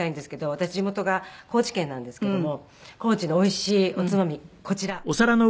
私地元が高知県なんですけども高知のおいしいおつまみこちら。